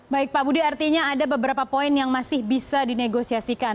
baik pak budi artinya ada beberapa poin yang masih bisa dinegosiasikan